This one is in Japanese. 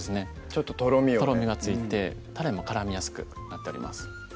ちょっととろみをとろみがついてたれも絡みやすくなっております